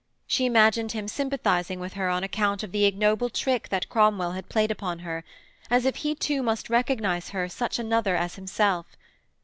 She imagined him sympathising with her on account of the ignoble trick that Cromwell had played upon her, as if he too must recognise her such another as himself.